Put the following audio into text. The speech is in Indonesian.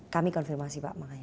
kami konfirmasi pak